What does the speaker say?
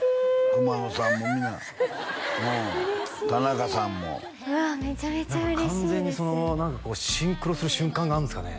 熊野さんも皆嬉しい田中さんもうわめちゃめちゃ嬉しいです何か完全にその何かこうシンクロする瞬間があるんですかね？